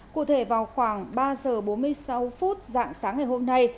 cụ thể vào khoảng ba giờ bốn mươi sáu phút dạng sáng ngày hôm nay